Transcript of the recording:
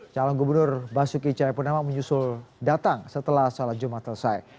calon gubernur basuki cahayapunama menyusul datang setelah sholat jumat selesai